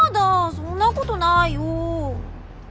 そんなことないよぉ。